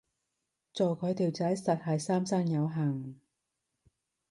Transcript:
做佢條仔實係三生有幸